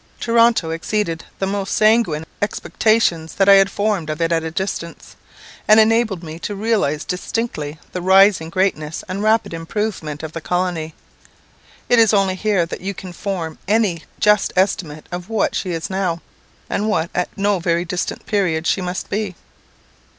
Toronto exceeded the most sanguine expectations that I had formed of it at a distance, and enabled me to realize distinctly the rising greatness and rapid improvement of the colony. It is only here that you can form any just estimate of what she now is, and what at no very distant period she must be.